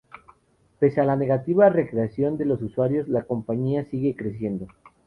Pese a la negativa reacción de los usuarios, la compañía sigue creciendo.